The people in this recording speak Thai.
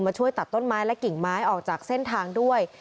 ช่วยตัดต้นไม้และกิ่งไม้ออกจากเส้นทางด้วย